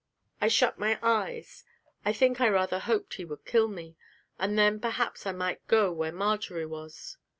I shut my eyes: I think I rather hoped he would kill me, and then perhaps I might go where Marjory was.